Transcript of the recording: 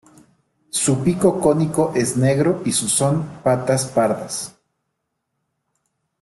Su pico cónico es negro y sus son patas pardas.